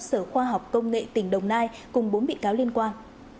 sở khoa học công nghệ tỉnh đồng nai cùng bốn bị cáo liên quan